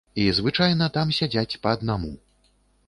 І звычайна там сядзяць па аднаму.